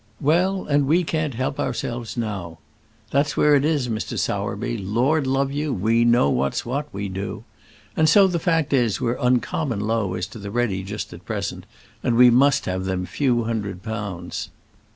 "Well; and we can't help ourselves now. That's where it is, Mr. Sowerby. Lord love you; we know what's what, we do. And so, the fact is we're uncommon low as to the ready just at present, and we must have them few hundred pounds.